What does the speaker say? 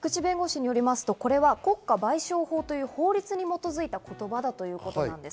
これは国家賠償法という法律に基づいた言葉だということです。